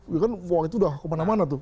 itu sudah kemana mana tuh